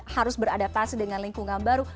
harus beradaptasi dengan lingkungan baru